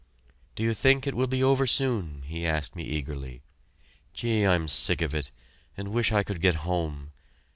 "Do you think it will be over soon?" he asked me eagerly. "Gee, I'm sick of it and wish I could get home.